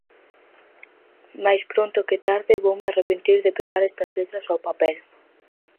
Máis pronto que tarde voume arrepentir de pegar estas letras ao papel.